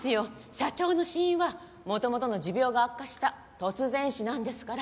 社長の死因は元々の持病が悪化した突然死なんですから。